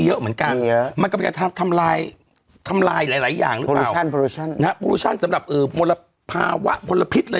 เยอะเหมือนกันมันก็แกจะทำลายทำลายหลายหลายอย่างมาวั้งผู้ลดชั้นพูดเราตามการพอเล่าว่ากลพิษเลย